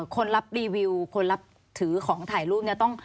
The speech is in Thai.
คนรับรีวิวคนรับถือของถ่ายรูปเนี่ยต้อง